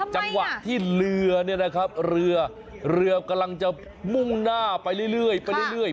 จังหวักที่เรือกำลังจะมุ่งหน้าไปเรื่อย